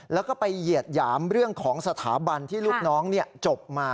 แล้วก็ไปเหยียดหยามเรื่องของสถาบันที่ลูกน้องจบมา